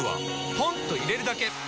ポンと入れるだけ！